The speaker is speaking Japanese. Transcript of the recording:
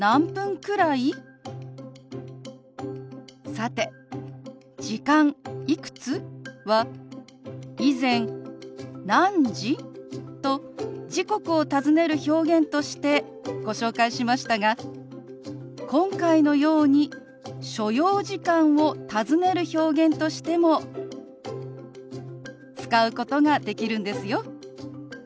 さて「時間」「いくつ？」は以前「何時？」と時刻を尋ねる表現としてご紹介しましたが今回のように所要時間を尋ねる表現としても使うことができるんですよ。